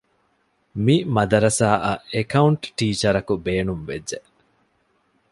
މި މަދަރަސާއަށް އެކައުންޓް ޓީޗަރަކު ބޭނުން ވެއްޖެ